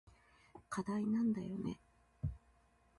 課題なんだよね。